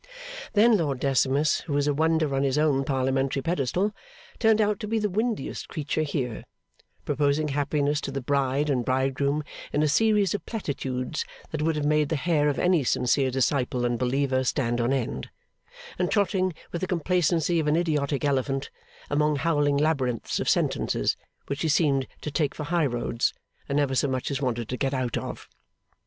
Then Lord Decimus, who was a wonder on his own Parliamentary pedestal, turned out to be the windiest creature here: proposing happiness to the bride and bridegroom in a series of platitudes that would have made the hair of any sincere disciple and believer stand on end; and trotting, with the complacency of an idiotic elephant, among howling labyrinths of sentences which he seemed to take for high roads, and never so much as wanted to get out of.